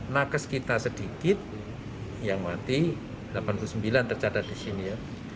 nakes kita sedikit yang mati delapan puluh sembilan tercatat di sini ya